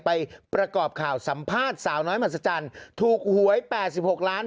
ประกอบข่าวสัมภาษณ์สาวน้อยมหัศจรรย์ถูกหวย๘๖ล้าน